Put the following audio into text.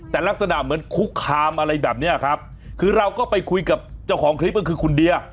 แต่ลักษณะเหมือนคุกคามอะไรแบบเนี้ยครับคือเราก็ไปคุยกับเจ้าของคลิปก็คือคุณเดีย